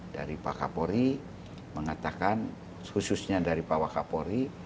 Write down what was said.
dari pak kapolri mengatakan khususnya dari pak wakapori